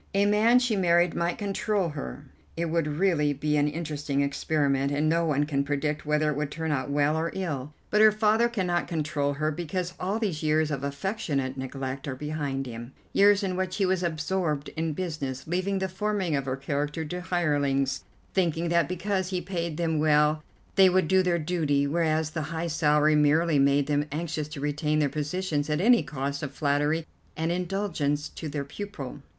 A man she married might control her. It would really be an interesting experiment, and no one can predict whether it would turn out well or ill; but her father cannot control her because all these years of affectionate neglect are behind him, years in which he was absorbed in business, leaving the forming of her character to hirelings, thinking that because he paid them well they would do their duty, whereas the high salary merely made them anxious to retain their positions at any cost of flattery and indulgence to their pupil."